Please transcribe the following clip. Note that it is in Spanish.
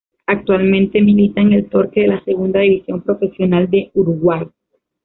Actualmente milita en el Torque de la Segunda División Profesional de Uruguay.